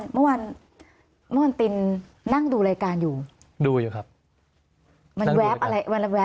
เมื่อวานตินนั่งดูรายการอยู่ดูอยู่ครับมันแว๊บอะไรขึ้นมา